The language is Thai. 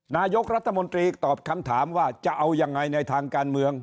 นายกรัฐมนตรีตอบคำถามว่าจะเอายังไงในทางการเมือง